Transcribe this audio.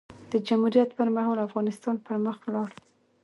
د جمهوریت پر مهال؛ افغانستان پر مخ ولاړ.